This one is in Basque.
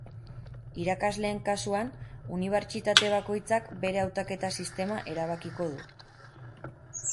Irakasleen kasuan, unibertsitate bakoitzak bere hautaketa sistema erabakiko du.